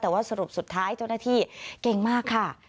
แต่ว่าสรุปสุดท้ายเจ้าหน้าที่เก่งมากค่ะ